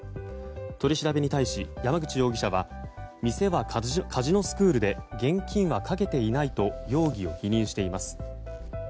取り調べに対し山口容疑者は店はカジノスクールで現金は賭けていないと容疑を否認しています。